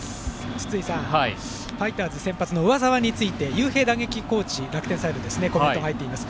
筒井さん、ファイターズ先発の上沢について打撃コーチ、楽天サイドコメント入っています。